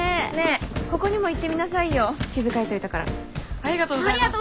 ありがとうございます！